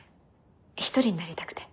一人になりたくて。